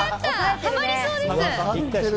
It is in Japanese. ハマりそうです。